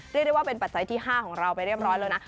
เรียกได้ว่าเป็นปัจจัยที่๕ของเราไปเรียบร้อยแล้วนะ